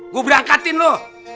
gua berangkatin lo